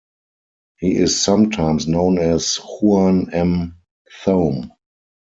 He is sometimes known as "Juan M. Thome".